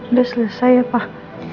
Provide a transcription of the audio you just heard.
udah selesai ya pak